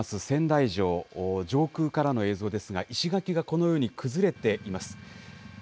仙台城、上空からの映像ですが石垣がこのように崩れています。